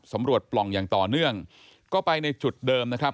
ปล่องอย่างต่อเนื่องก็ไปในจุดเดิมนะครับ